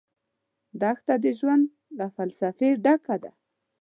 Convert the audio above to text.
دښته د ژوند له فلسفې ډکه ده.